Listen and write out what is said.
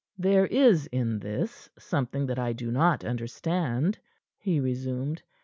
"There is in this something that I do not understand," he resumed.